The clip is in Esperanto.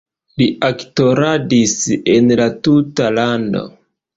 Li aktoradis en la tuta lando.